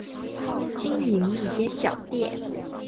经营一间小店